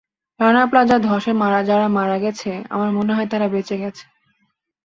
রানা প্লাজা ধসে যারা মারা গেছে, আমার মনে হয়, তারা বেঁচে গেছে।